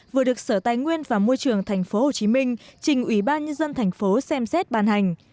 vừa được sở tài nguyên và môi trường tp hcm trình ủy ban nhân dân tp xem xét ban hành